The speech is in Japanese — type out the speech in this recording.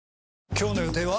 今日の予定は？